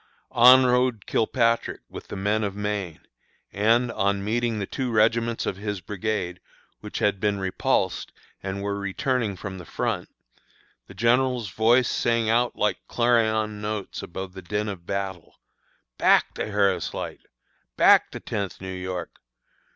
On rode Kilpatrick with the men of Maine, and, on meeting the two regiments of his brigade, which had been repulsed and were returning from the front, the General's voice sang out like clarion notes above the din of battle, "Back, the Harris Light! Back, the Tenth New York!